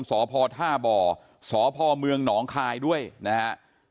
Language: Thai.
สพท่าบ่อสพเมืองหนองคายด้วยนะฮะ